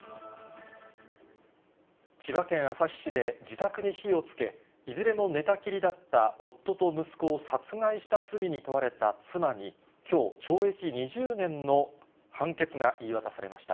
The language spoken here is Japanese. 千葉県旭市で自宅に火をつけ、いずれも寝たきりだった夫と息子を殺害した罪に問われた妻に、きょう懲役２０年の判決が言い渡されました。